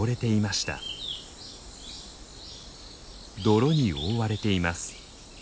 泥に覆われています。